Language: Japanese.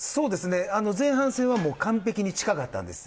前半戦は完璧に近かったんです。